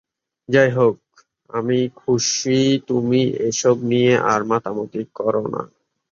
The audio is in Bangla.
যাই হোক, আমি খুশি তুমি এসব নিয়ে আর মাতামাতি করো না।